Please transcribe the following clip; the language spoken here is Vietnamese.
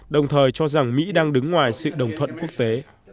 đồng thời cho rằng mỹ đang đứng ngoài sự đồng thuận quốc tế